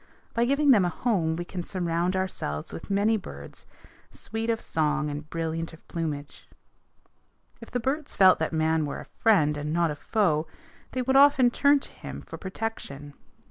By giving them a home we can surround ourselves with many birds, sweet of song and brilliant of plumage. [Illustration: FIG. 282. THE HAIRY WOODPECKER] If the birds felt that man were a friend and not a foe, they would often turn to him for protection.